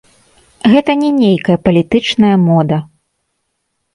Гэта не нейкая палітычная мода.